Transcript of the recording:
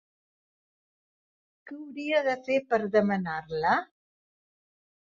Què hauria de fer per demanar-la?